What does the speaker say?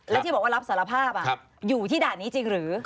และที่บอกว่ารับสารภาพอยู่ที่ด่านนี้จริงหรือ